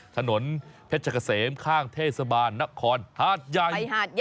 ถนนเพชรกะเสมข้างเทษบานน่าคอร์นหาดใหญ่